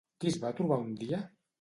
Qui es va trobar un dia?